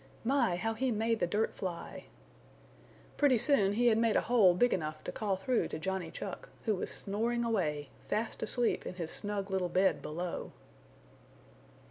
My, how he made the dirt fly! Pretty soon he had made a hole big enough to call through to Johnny Chuck, who was snoring away, fast asleep in his snug little bed below.